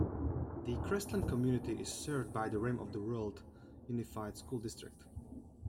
The Crestline community is served by the Rim of the World Unified School District.